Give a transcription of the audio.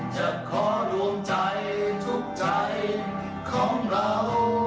จะขอดวงใจทุกใจของเรา